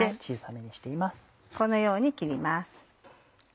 このように切ります。